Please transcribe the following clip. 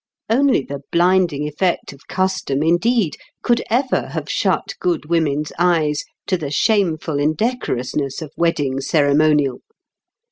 Only the blinding effect of custom, indeed, could ever have shut good women's eyes to the shameful indecorousness of wedding ceremonial.